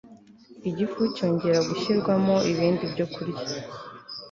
igifu cyongera gushyirwamo ibindi byokurya